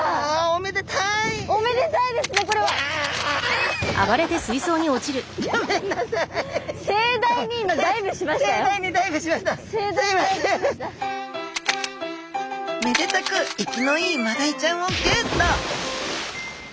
めでたく生きのいいマダイちゃんをゲット！